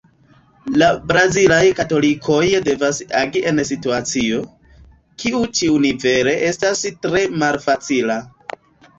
La brazilaj katolikoj devas agi en situacio, kiu ĉiunivele estas tre malfacila.